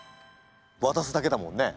わたすだけだもんね。